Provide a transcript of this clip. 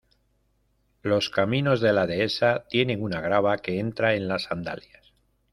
Los caminos de la Dehesa tienen una grava que entra en las sandalias.